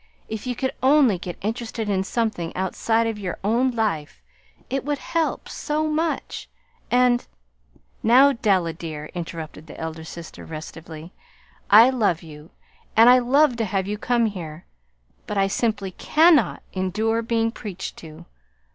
"If you could only get interested in something outside of your own life, it would help so much; and " "Now, Della, dear," interrupted the elder sister, restively, "I love you, and I love to have you come here; but I simply cannot endure being preached to.